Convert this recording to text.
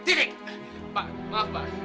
titik pak maaf pak